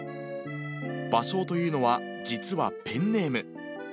芭蕉というのは、実はペンネーム。